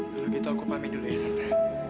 kalau gitu aku pamit dulu ya tante